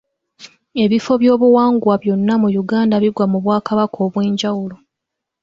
Ebifo byobuwangwa byonna mu Uganda bigwa mu bwakaba obw'enjawulo.